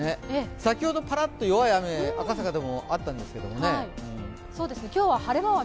先ほど、ぱらっと弱い雨赤坂でもあったんですけど。